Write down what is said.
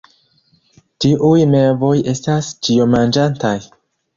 Tiuj mevoj estas ĉiomanĝantaj.